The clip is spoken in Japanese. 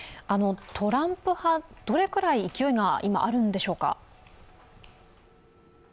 トランプ派、どれくらい勢いが今あるんでしょうか？